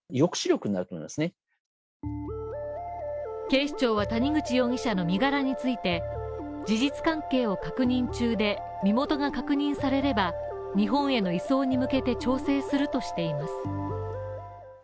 警視庁は谷口容疑者の身柄について事実関係を確認中で身元が確認されれば、日本への移送に向けて調整するとしています。